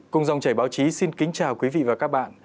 cùng dòng chảy báo chí xin kính chào quý vị và các bạn